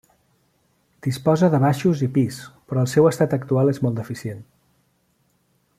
Disposa de baixos i pis, però el seu estat actual és molt deficient.